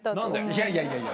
いやいやいやいや。